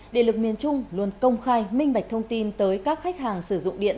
điện lực miền trung luôn công khai minh bạch thông tin tới các khách hàng sử dụng điện